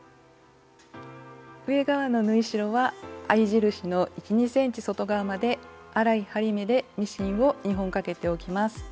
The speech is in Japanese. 上側の縫い代は合い印の１２ｃｍ外側まで粗い針目でミシンを２本かけておきます。